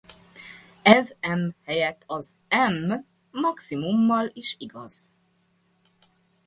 Ez m helyett az M maximummal is igaz.